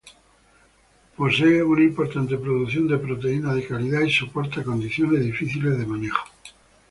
Posee una importante producción de proteína de calidad y soporta condiciones difíciles de manejo.